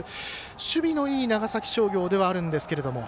守備のいい長崎商業ではあるんですけれども。